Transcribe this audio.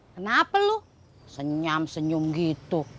kenapa lu senyam senyum gitu